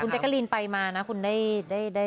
แต่คุณเจ๊กะลีนไปมานะคุณได้ได้ได้